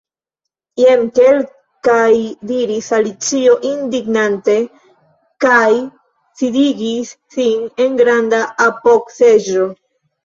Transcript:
"Jen kelkaj " diris Alicio indignante, kaj sidigis sin en granda apogseĝo.